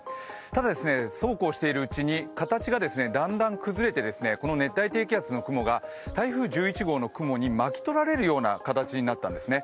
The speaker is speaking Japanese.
ただ、そうこうしているうちに形がだんだん崩れてこの熱帯低気圧の雲が台風１１号の雲に巻き取られるような形になったんですね。